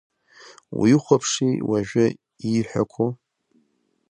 Уихәаԥши уажәы ииҳәақәо!